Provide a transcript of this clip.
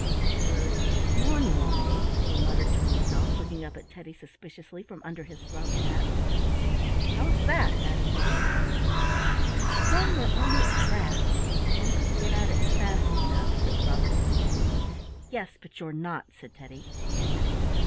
"There's one way," he muttered to himself, looking up at Teddy suspiciously from under his slouch hat. "How is that?" asked Teddy. "If one were only a rat one could get at it fast enough," said the robber magician. "Yes, but you're not," said Teddy.